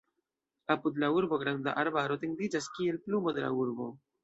Apud la urbo granda arbaro etendiĝas, kiel pulmo de la urbo.